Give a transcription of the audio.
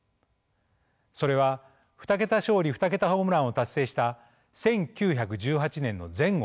それは２桁勝利２桁ホームランを達成した１９１８年の前後